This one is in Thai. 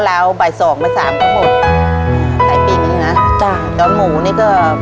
ทับผลไม้เยอะเห็นยายบ่นบอกว่าเป็นยังไงครับ